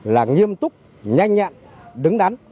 là nghiêm túc nhanh nhận đứng đắn